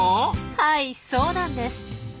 はいそうなんです。